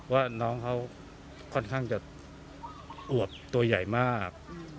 ว่าน้องเขาค่อนข้างจะอวบตัวใหญ่มาก